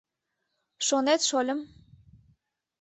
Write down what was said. — Шонет, шольым.